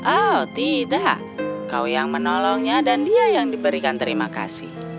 oh tidak kau yang menolongnya dan dia yang diberikan terima kasih